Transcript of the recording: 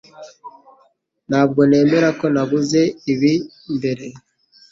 Ntabwo nemera ko nabuze ibi mbere